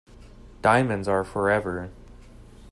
Diamonds are forever.